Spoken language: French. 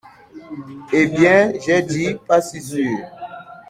Eh bien, je dis: pas si sûr!